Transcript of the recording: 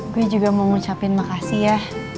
gue juga mau ngucapin makasih ya